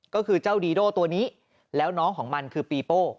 ก็คือเจ้าดีโดตัวนี้แล้วน้องของมันคือปีโป้